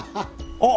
あっ！